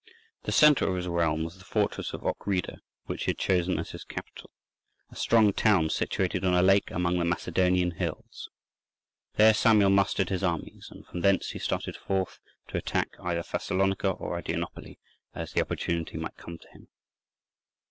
The centre of his realm was the fortress of Ochrida, which he had chosen as his capital—a strong town situated on a lake among the Macedonian hills. There Samuel mustered his armies, and from thence he started forth to attach either Thessalonica or Adrianople, as the opportunity might come to him.